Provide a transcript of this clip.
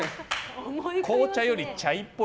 紅茶よりチャイっぽい。